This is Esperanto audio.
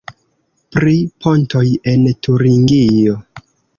Pri pontoj en Turingio.